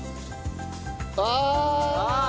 ああ！